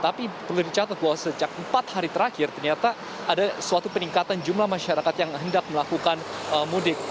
tapi perlu dicatat bahwa sejak empat hari terakhir ternyata ada suatu peningkatan jumlah masyarakat yang hendak melakukan mudik